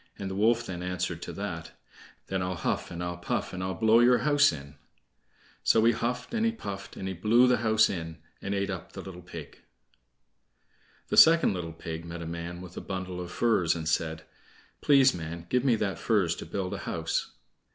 The wolf then answered to that: "Then I'll huff, and I'll puff, and I'll blow your house in." So he huffed, and he puffed, and he blew the house in, and ate up the little pig. The second little pig met a man with a bundle of furze and said: "Please, man, give me that furze to build a house."